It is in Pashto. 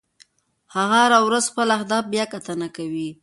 هغه هره ورځ خپل اهداف بیاکتنه کوي.